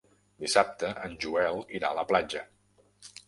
Dissabte en Joel irà a la platja.